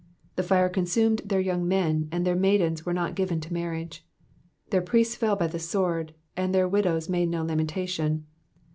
63 The fire consumed their young men ; and their maidens were not given to marriage. 64 Their priests fell by the sword ; and their widows made no lamentation.